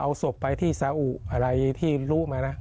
เอาศพไปที่สาอุอะไรที่รู้มานะ